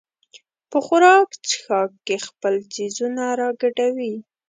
په خوراک څښاک کې خپل څیزونه راګډوي.